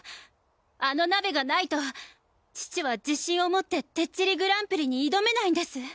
あの鍋がないと父は自信をもっててっちりＧＰに挑めないんです。